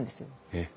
えっ。